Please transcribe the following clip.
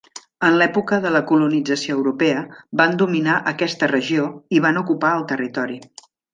En l'època de la colonització europea, van dominar aquesta regió i van ocupar el territori.